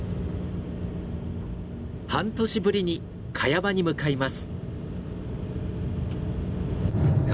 半年ぶりにカヤ場に向かいます。